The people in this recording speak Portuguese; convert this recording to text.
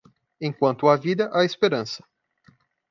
Enquanto há vida, há esperança.